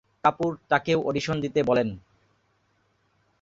কাপুর তাকেও অডিশন দিতে বলেন।